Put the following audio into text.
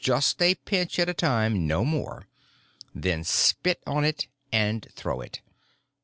Just a pinch at a time, no more. Then spit on it and throw it.